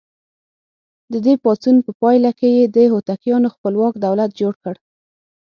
د دې پاڅون په پایله کې یې د هوتکیانو خپلواک دولت جوړ کړ.